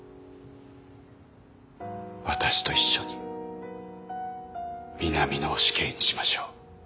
私と一緒に南野を死刑にしましょう。